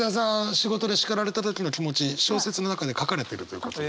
仕事で叱られた時の気持ち小説の中で書かれてるということで。